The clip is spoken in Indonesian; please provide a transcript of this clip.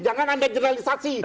jangan anda jurnalisasi